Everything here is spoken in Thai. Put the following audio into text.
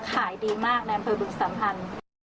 ขายดีมากในอำเภอบึงสัมพันธ์